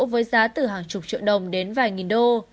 với giá từ hàng chục triệu đồng đến vài nghìn đô